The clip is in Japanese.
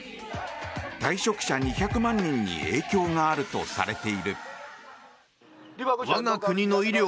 退職者２００万人に影響があるとされている。